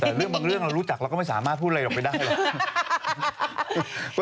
แต่เรื่องบางเรื่องเรารู้จักเราก็ไม่สามารถพูดอะไรออกไปได้หรอก